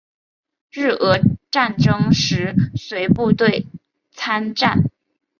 日俄战争时随部队参战。